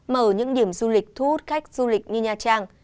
mà ở những điểm du lịch thu hút khách du lịch như nha trang